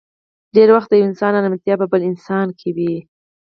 ډېری وخت د يو انسان ارمتيا په بل انسان کې وي.